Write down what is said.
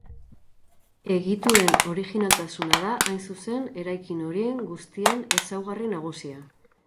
Egituren originaltasuna da, hain zuzen, eraikin horien guztien ezaugarri nagusia.